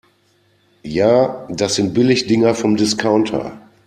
Ja, das sind Billigdinger vom Discounter.